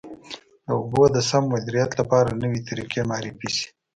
د اوبو د سم مدیریت لپاره نوې طریقې معرفي شي.